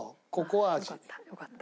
よかった。